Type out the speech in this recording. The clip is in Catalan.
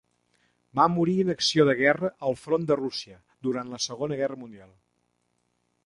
Va morir en acció de guerra al Front de Rússia durant la Segona Guerra Mundial.